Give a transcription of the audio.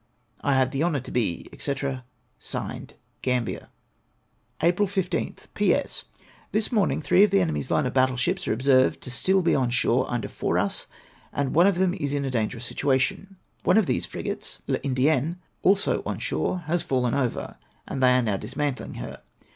I have the honour to l)e, &c., (Signed) Gambier. LORD GAMBIER'S SECOND DESPATCH. 407 April loth. — P.S. This morning three of the enemy's line of battle ships are observed to be still on shore mider Fouras, and one of them is in a dangerous situation. One of these frigates {Uladienne) also on shore, has fallen over, and they are now dismantling her.